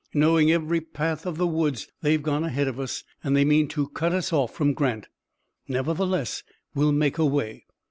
"Knowing every path of the woods, they've gone ahead of us, and they mean to cut us off from Grant. Nevertheless we'll make a way."